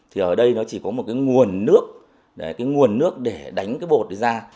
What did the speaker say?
thì ở đây nó chỉ có một cái nguồn nước cái nguồn nước để đánh cái bột này ra